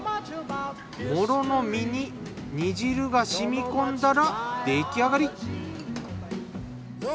もろの身に煮汁が染み込んだら出来上がり。